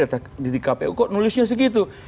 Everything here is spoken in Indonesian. di kpu kok nulisnya segitu